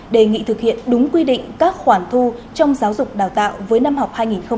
đề nghị thực hiện đúng quy định các khoản thu trong giáo dục đào tạo với năm học hai nghìn hai mươi hai nghìn hai mươi một